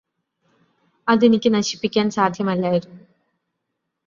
അതെനിക്ക് നശിപ്പിക്കാന് സാധ്യമല്ലായിരുന്നു